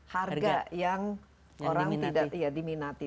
harga yang orang diminati